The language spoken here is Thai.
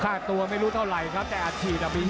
ค่าตัวไม่รู้เท่าไหร่ครับแต่อาชีพมีแสนแล้ว